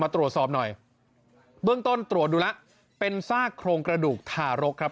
ตรวจสอบหน่อยเบื้องต้นตรวจดูแล้วเป็นซากโครงกระดูกทารกครับ